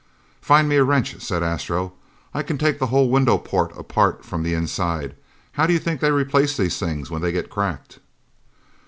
"Find me a wrench," said Astro. "I can take the whole window port apart from inside. How do you think they replace these things when they get cracked?"